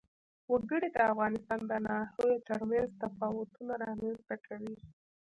وګړي د افغانستان د ناحیو ترمنځ تفاوتونه رامنځ ته کوي.